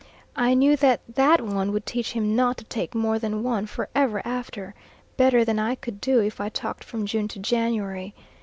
I knew that that one would teach him not to take more than one forever after, better than I could do if I talked from June to January.